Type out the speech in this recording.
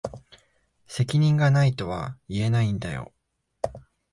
責任が無いとは言えないんだよ。